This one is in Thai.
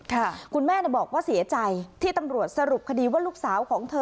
คุณแม่บอกว่าเสียใจที่ตำรวจสรุปคดีว่าลูกสาวของเธอ